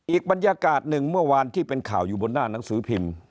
อีกบรรยากาศหนึ่งเมื่อวานที่เป็นข่าวอยู่บนหน้าหนังสือพิมพ์